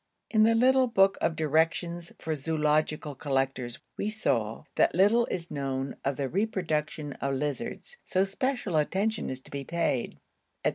In the little book of directions for zoological collectors we saw, that 'little is known of the reproduction of lizards, so special attention is to be paid,' &c.